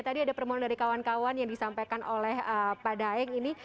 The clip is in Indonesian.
tadi ada permohonan dari kawan kawan yang disampaikan oleh pak daeng ini